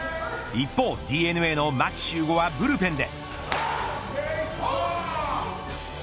一方ＤｅＮＡの牧秀悟はブルペンで。